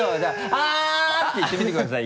「あぁっ！」て言ってみてください